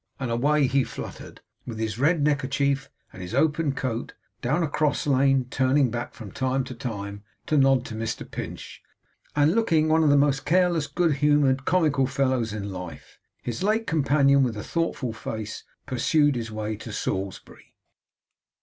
And away he fluttered, with his red neckerchief, and his open coat, down a cross lane; turning back from time to time to nod to Mr Pinch, and looking one of the most careless, good humoured comical fellows in life. His late companion, with a thoughtful face pursued his way to Salisbury.